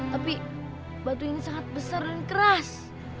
tapi batu ini sangat besar dan keras